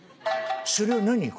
それは何？